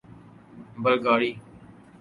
بلغاری